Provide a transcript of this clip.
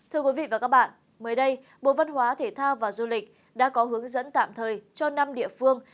thưa quý vị và các bạn mới đây bộ văn hóa thể thao và du lịch đã có hướng dẫn tạm thời cho năm địa phương